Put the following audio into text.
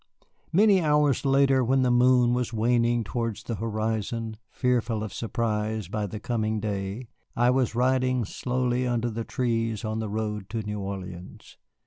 Many hours later, when the moon was waning towards the horizon, fearful of surprise by the coming day, I was riding slowly under the trees on the road to New Orleans.